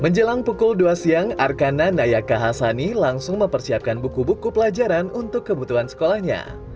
menjelang pukul dua siang arkana nayaka hasani langsung mempersiapkan buku buku pelajaran untuk kebutuhan sekolahnya